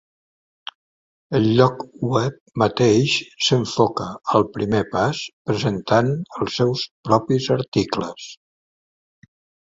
El lloc web mateix s'enfoca al primer pas presentant els seus propis articles.